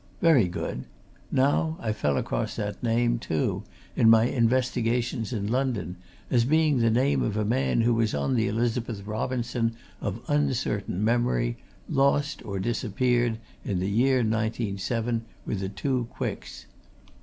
Very good now I fell across that name, too, in my investigations in London, as being the name of a man who was on the Elizabeth Robinson, of uncertain memory, lost or disappeared in the year 1907, with the two Quicks.